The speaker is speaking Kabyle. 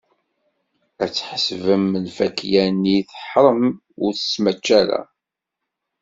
Ad tḥesbem lfakya-nni teḥṛem, ur tettmačča ara.